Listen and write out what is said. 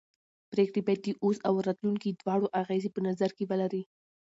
پرېکړې باید د اوس او راتلونکي دواړو اغېزې په نظر کې ولري